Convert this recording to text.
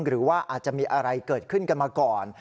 หรือว่าอาจจะมีอะไรเกิดขึ้นกันมาก่อน